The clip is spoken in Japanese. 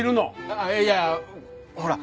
あっいやほら。